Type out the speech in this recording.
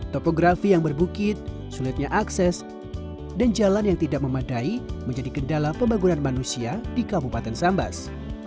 topografi yang berbukit sulitnya akses dan jalan yang tidak memadai menjadi kendala pembangunan manusia di kabupaten sambas